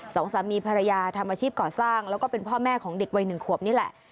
สองสามีภรรยาทำอาชีพก่อสร้างแล้วก็เป็นพ่อแม่ของเด็กวัยหนึ่งขวบนี่แหละ